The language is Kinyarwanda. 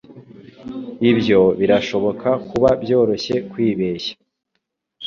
Ibyo birashobora kuba byoroshye kwibeshya.